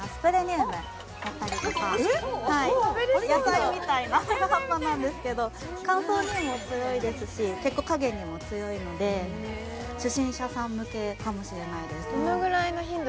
この辺の何かおいしそうはい野菜みたいな葉っぱなんですけど乾燥にも強いですし結構陰にも強いので初心者さん向けかもしれないです